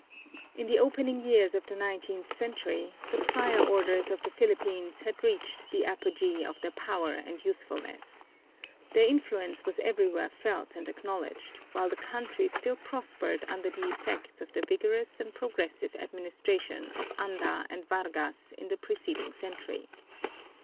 In the opening years of the nineteenth century the friar orders in the Philippines had reached the apogee of their power and usefulness. Their influence was everywhere felt and acknowledged, while the country still prospered under the effects of the vigorous and progressive administrations of Anda and Vargas in the preceding century.